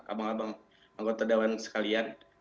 abang abang anggota dawan sekalian